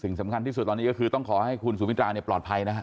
สำคัญที่สุดตอนนี้ก็คือต้องขอให้คุณสุวิตราเนี่ยปลอดภัยนะฮะ